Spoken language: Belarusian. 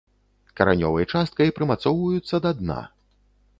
Каранёвай часткай прымацоўваюцца да дна.